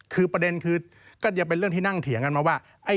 คือประเด็นคือก็จะเป็นเรื่องที่นั่งเถียงกันมาว่า